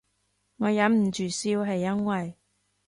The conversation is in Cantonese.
我忍唔住笑係因為